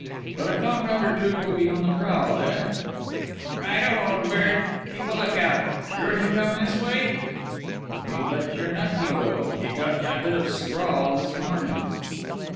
But a comrade or two will be on the prowl, eh?" "Right o, old bird!... Keep a lookout!... Sure he'll come this way?" "You bet your nut he will!... He got my bit of a scrawl this morning...."